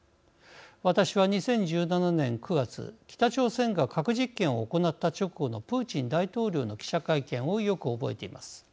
私は、２０１７年９月北朝鮮が核実験を行った直後のプーチン大統領の記者会見をよく覚えています。